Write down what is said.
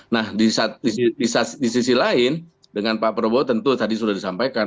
nah di sisi lain dengan pak prabowo tentu tadi sudah disampaikan